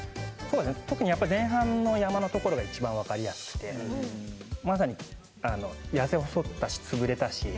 特に前半の山のところが一番分かりやすくてまさに痩せ細ったし潰れたし。